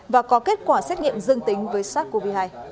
và có kết quả xét nghiệm dương tính với sars cov hai